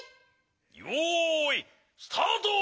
よいスタート！